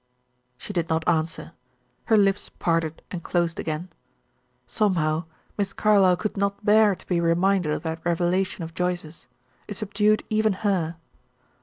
She did not answer. Her lips parted and closed again. Somehow, Miss Carlyle could not bear to be reminded of that revelation of Joyce's; it subdued even her.